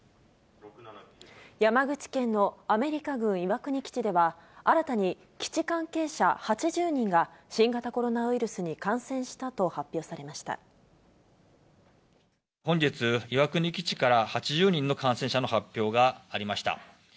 山口県のアメリカ軍岩国基地では、新たに基地関係者８０人が、新型コロナウイルスに感染したと本日、岩国基地から８０人の感染者の発表がありました。